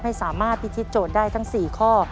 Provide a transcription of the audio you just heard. ให้สามารถพิธีโจทย์ได้ทั้ง๔ข้อ